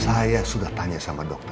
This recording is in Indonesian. saya sudah tanya sama dokter